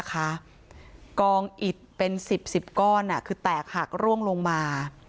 กองอิดเป็น๑๐๑๐ก้อนคือแตกหักร่วงลงมา